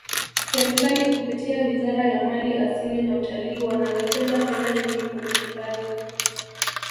serikali kupitia wizara ya mali asili na utalii wanawekeza fedha nyingi kwenye hifadhi